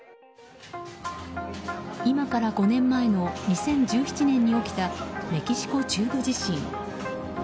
今から５年前の２０１７年に起きたメキシコ中部地震。